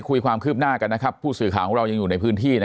คุยความคืบหน้ากันนะครับผู้สื่อข่าวของเรายังอยู่ในพื้นที่